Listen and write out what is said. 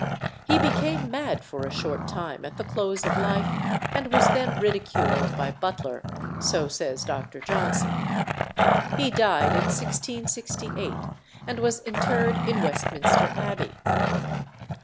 He became mad for a short time at the close of life, and was then ridiculed by Butler, so says Dr. Johnson. He died in 1668, and was interred in Westminster Abbey.